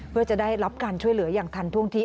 เพื่อจะได้รับการช่วยเหลืออย่างทันท่วงที่